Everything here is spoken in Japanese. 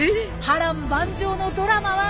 波乱万丈のドラマは。